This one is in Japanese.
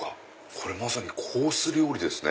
これまさにコース料理ですね。